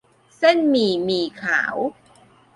เส้นหมี่ หมี่ขาว